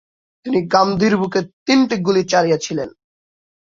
তিনি গান্ধীর বুকে তিনটি গুলি চালিয়েছিলেন।